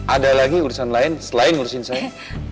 ada lagi urusan lain selain ngurusin saya